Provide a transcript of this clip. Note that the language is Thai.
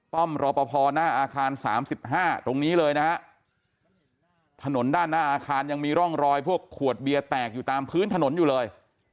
รอปภหน้าอาคาร๓๕ตรงนี้เลยนะฮะถนนด้านหน้าอาคารยังมีร่องรอยพวกขวดเบียร์แตกอยู่ตามพื้นถนนอยู่เลย